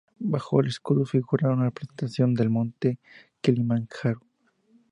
Bajo el escudo figura una representación del Monte Kilimanjaro.